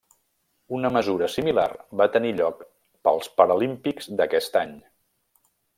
Una mesura similar va tenir lloc pels Paralímpics d'aquest any.